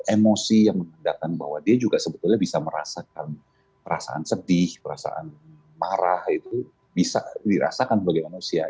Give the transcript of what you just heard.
emosi yang menandakan bahwa dia juga sebetulnya bisa merasakan perasaan sedih perasaan marah itu bisa dirasakan sebagai manusia